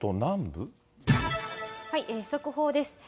速報です。